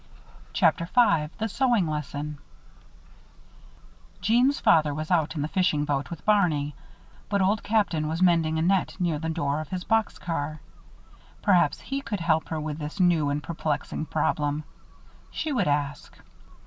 CHAPTER V THE SEWING LESSON Jeanne's father was out in the fishing boat with Barney; but Old Captain was mending a net near the door of his box car. Perhaps he could help her with this new and perplexing problem. She would ask.